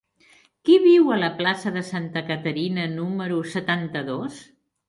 Qui viu a la plaça de Santa Caterina número setanta-dos?